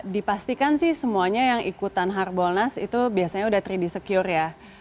dipastikan sih semuanya yang ikutan hard bonus itu biasanya sudah tiga d secure ya